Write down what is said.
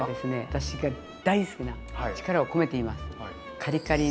私が大好きな力を込めて言います。